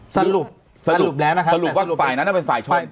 สรุปสรุปแล้วนะครับสรุปว่าฝ่ายนั้นเป็นฝ่ายช่อง